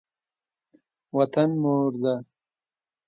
وطن مور ده.